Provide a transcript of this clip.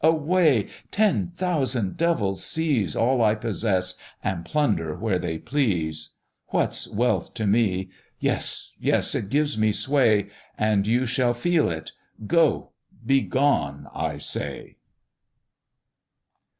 away! ten thousand devils seize All I possess, and plunder where they please! What's wealth to me? yes, yes! it gives me sway, And you shall feel it Go! begone, I say."